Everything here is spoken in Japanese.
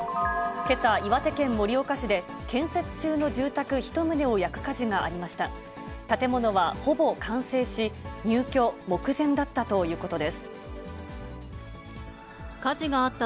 けさ、岩手県盛岡市で、建設中の住宅１棟を焼く火事がありました。